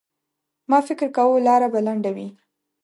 ما فکر کاوه لاره به لنډه وي.